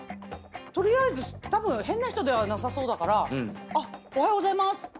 取りあえずたぶん変な人ではなさそうだからあっおはようございます。